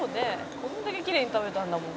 「これだけきれいに食べたんだもん」